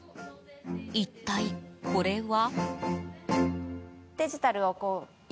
一体、これは？